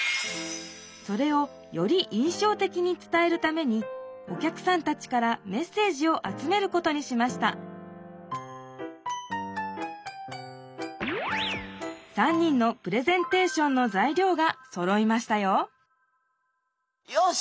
それをよりいんしょうてきに伝えるためにおきゃくさんたちからメッセージを集めることにしました３人のプレゼンテーションの材料がそろいましたよよし！